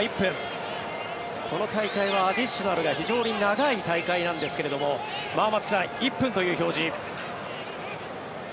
この大会はアディショナルが非常に長い大会なんですが松木さん、１分という表示。